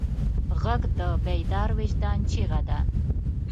غږ د بیدار وجدان چیغه ده